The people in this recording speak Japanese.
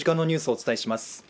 お伝えします